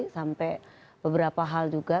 sampai beberapa hal juga